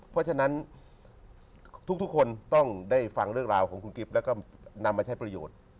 เพราะฉะนั้นทุกคนต้องได้ฟังเรื่องราวของคุณกิฟต์แล้วก็นำมาใช้ประโยชน์